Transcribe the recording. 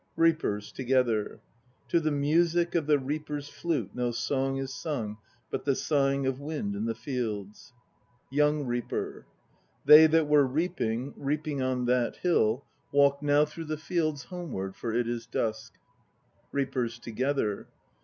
REAPERS (together). To the music of the reaper's flute No song is sung But the sighing of wind in the fields. YOUNG REAPER. They that were reaping, Reaping on that hill, M ATSUMORI 37 Walk now through the fields Homeward, for it is dusk. REAPERS (together).